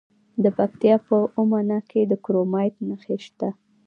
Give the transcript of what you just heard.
د پکتیکا په اومنه کې د کرومایټ نښې شته.